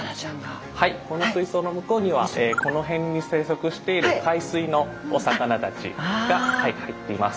はいこの水槽の向こうにはこの辺に生息している海水のお魚たちが入っています。